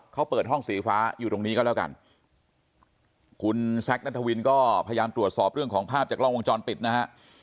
เขาเปิดห้องสีฟ้าอยู่ตรงนี้ก็แล้วกันคุณแซคนัทวินก็พยายามตรวจสอบเรื่องของภาพจากกล้องวงจรปิดนะฮะ